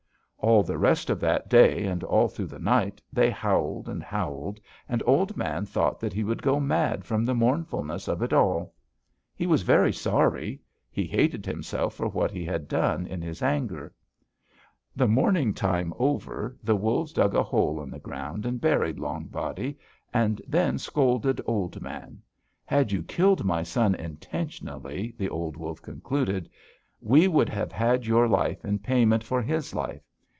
"All the rest of that day, and all through the night, they howled and howled, and Old Man thought that he would go mad from the mournfulness of it all. He was very sorry he hated himself for what he had done in his anger. "The mourning time over, the wolves dug a hole in the ground and buried Long Body, and then scolded Old Man. 'Had you killed my son intentionally,' the old wolf concluded, 'we would have had your life in payment for his life.